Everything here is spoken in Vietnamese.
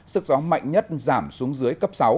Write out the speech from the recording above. sức gió mạnh nhất giảm xuống dưới cấp sáu